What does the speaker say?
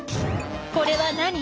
これは何？